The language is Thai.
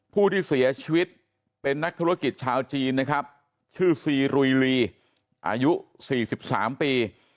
ผู้ที่เสียชีวิตเป็นนักธุรกิจชาวจีนนะครับชื่อซีรุยลีอายุ๔๓ปี